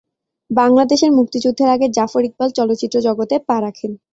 বাংলাদেশের মুক্তিযুদ্ধের আগে জাফর ইকবাল চলচ্চিত্র জগতে পা রাখেন।